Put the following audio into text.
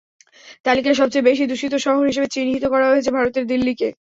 তালিকায় সবচেয়ে বেশি দূষিত শহর হিসেবে চিহ্নিত করা হয়েছে ভারতের দিল্লিকে।